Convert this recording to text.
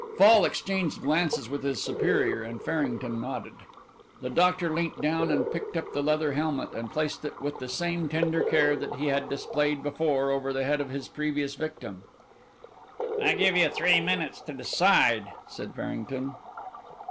Fall exchanged glances with his superior, and Farrington nodded. The doctor leant down and picked up the leather helmet, and placed it with the same tender care that he had displayed before over the head of his previous victim. "I give you three minutes to decide," said Farrington.